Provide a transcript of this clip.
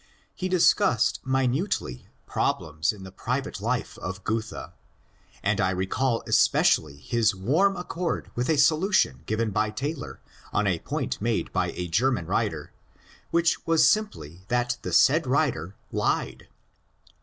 He discussed minutely pro BAYARD TAYLOR 316 blems in the private life of Goethe, and I recall especially his warm accord with a solution given by Taylor on a point made by a German writer, which was simply that the said writer *^ lied."